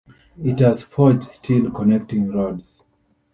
It has forged steel connecting rods.